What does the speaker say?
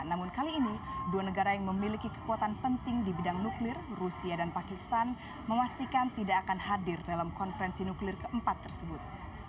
namun kali ini dua negara yang memiliki kekuatan penting di bidang nuklir rusia dan pakistan memastikan tidak akan hadir dalam konferensi nuklir keempat tersebut